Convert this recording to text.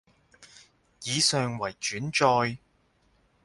以上為轉載